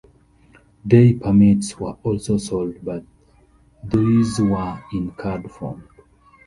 Day permits were also sold, but these were in card form.